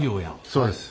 そうです。